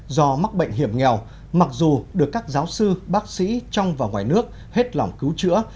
do mắc bệnh hiểm nghèo mặc dù được các giáo sư bác sĩ trong và ngoài nước hết lòng cứu chữa